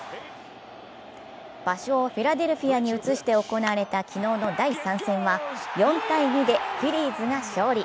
場所をフィラデルフィアに移して行われた昨日の第３戦は４−２でフィリーズが勝利。